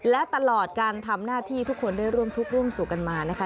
และตลอดการทำหน้าที่ทุกคนได้ร่วมทุกข์ร่วมสู่กันมานะคะ